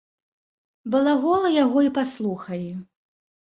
Балаголы яго і паслухалі.